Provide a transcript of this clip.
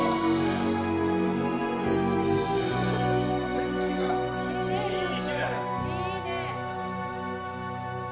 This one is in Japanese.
天気がいい。